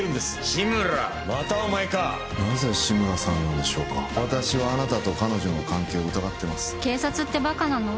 志村またお前かなぜ志村さんなんでしょうか私はあなたと彼女の関係を疑ってます警察ってバカなの？